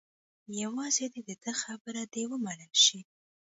یوازې د ده خبره دې ومنل شي.